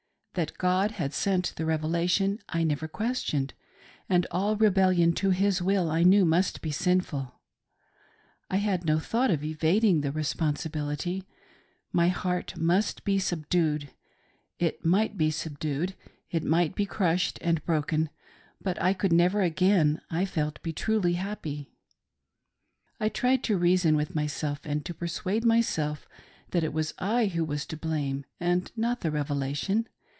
That God had sent the Revelation I never questioned, and all rebellion to His will I knew must be sinful. I had no thought of evading the responsibility : my heart must be subdued. It might be subdued ; it might be crushed and broken, but I could never again, I felt, be truly happy. I tried to reason with myself and to persuade myself that it was I who was to blame and not the Revelation.